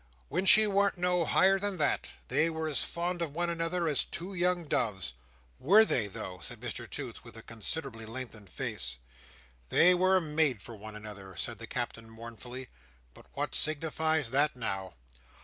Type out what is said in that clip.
"When she warn't no higher than that, they were as fond of one another as two young doves." "Were they though!" said Mr Toots, with a considerably lengthened face. "They were made for one another," said the Captain, mournfully; "but what signifies that now!"